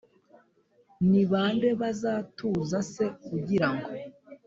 ni bande bazatuza se ugirango